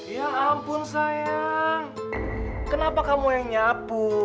ya ampun sayang kenapa kamu yang nyapu